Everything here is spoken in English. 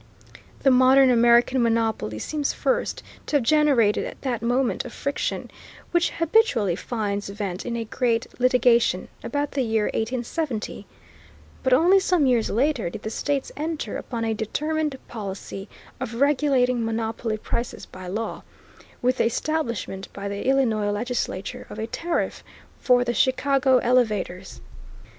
The modern American monopoly seems first to have generated that amount of friction, which habitually finds vent in a great litigation, about the year 1870; but only some years later did the states enter upon a determined policy of regulating monopoly prices by law, with the establishment by the Illinois legislature of a tariff for the Chicago elevators.